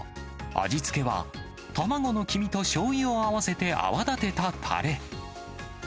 味付けは、卵の黄身としょうゆを合わせて泡立てたたれ。